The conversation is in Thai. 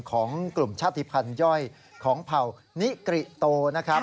ของกลุ่มชาติภัณฑ์ย่อยของเผ่านิกริโตนะครับ